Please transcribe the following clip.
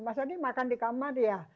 mas adi makan di kamar ya